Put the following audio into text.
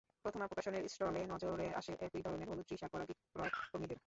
প্রথমা প্রকাশনের স্টলে নজরে আসে একই ধরনের হলুদ টি-শার্ট পরা বিক্রয়কর্মীদের।